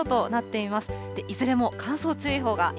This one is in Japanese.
いずれも乾燥注意報が今、